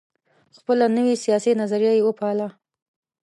خپله نوي سیاسي نظریه یې وپالله.